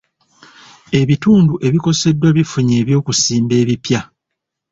Ebitundu ebikoseddwa bifunye eby'okusimba ebipya.